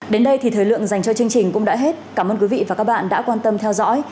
đến đây thì thời lượng dành cho chương trình cũng đã hết cảm ơn quý vị và các bạn đã quan tâm theo dõi